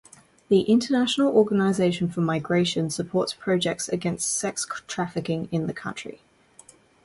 The International Organisation for Migration supports projects against sex trafficking in the country.